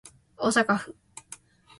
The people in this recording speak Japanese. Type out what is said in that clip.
大阪府